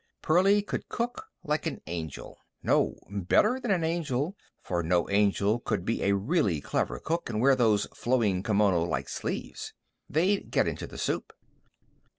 Pearlie could cook like an angel; no, better than an angel, for no angel could be a really clever cook and wear those flowing kimono like sleeves. They'd get into the soup.